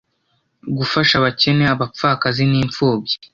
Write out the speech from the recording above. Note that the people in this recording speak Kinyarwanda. gufasha abakene abapfakazi n’imfubyi